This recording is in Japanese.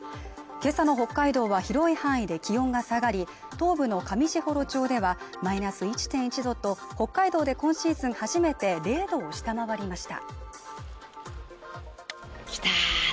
今朝の北海道は広い範囲で気温が下がり東部の上士幌町ではマイナス１．１度と北海道で今シーズンが初めて０度を下回りました